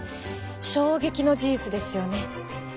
衝撃の事実ですよね。